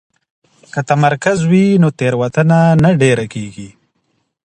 که تمرکز وي نو تېروتنه نه ډېره کېږي.